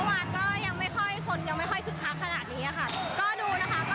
ก็ดูนะคะก็ติดตามหมดและบอลอยู่เรื่อย